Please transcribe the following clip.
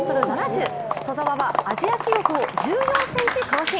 兎澤はアジア記録を１４ｃｍ更新。